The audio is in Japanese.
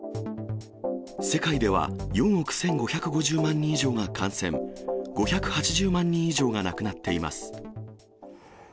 世界では４億１５５０万人以上が感染、５８０万人以上が亡くなっています。